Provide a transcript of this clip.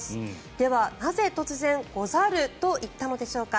では、なぜ突然「ござる」と言ったのでしょうか。